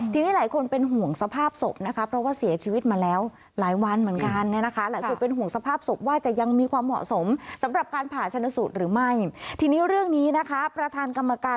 ทีนี้หลายคนเป็นห่วงสภาพศพนะคะเพราะว่าเสียชีวิตมาแล้วหลายวันเหมือนกันเนี่ยนะคะ